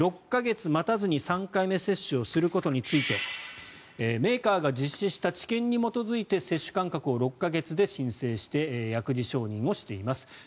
６か月待たずに３回目接種することについてメーカーが実施した治験に基づいて接種間隔を６か月で申請して薬事承認しています。